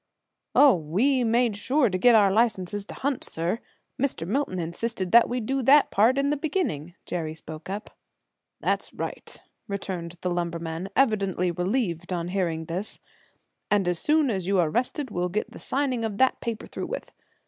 "Oh! we made sure to get our licenses to hunt, sir; Mr. Milton insisted that we do that part in the beginning," Jerry spoke up. "That's right," returned the lumberman, evidently relieved on hearing this, "and as soon as you are rested we'll get the signing of that paper through with.